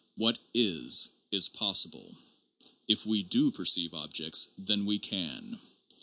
What is, is possible. If we do perceive objects, then we can.